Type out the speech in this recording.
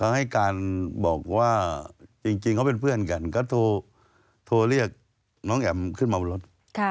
ให้การบอกว่าจริงเขาเป็นเพื่อนกันก็โทรเรียกน้องแอ๋มขึ้นมาบนรถ